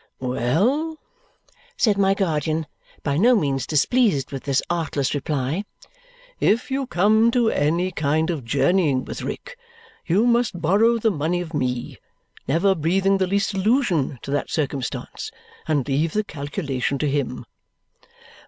"Well," said my guardian, by no means displeased with this artless reply, "if you come to any kind of journeying with Rick, you must borrow the money of me (never breathing the least allusion to that circumstance), and leave the calculation to him."